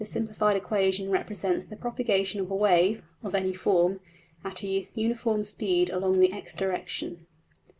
png}% equation represents the propagation of a wave (of any form) at a uniform speed along the $x$~direction.